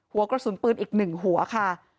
หัวกระสุนปืนอีก๑หัวค่ะ